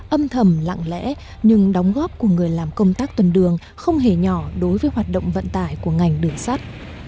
âm thầm lặng lẽ nhưng đóng góp của người làm công tác tuần đường không hề nhỏ đối với hoạt động vận tải của ngành đường sắt